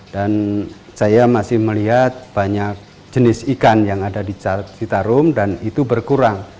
dan saya masih melihat banyak jenis ikan yang ada di citarum dan itu berkurang